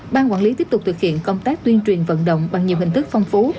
ban quản lý tiếp tục thực hiện công tác tuyên truyền vận động bằng nhiều hình thức phong phú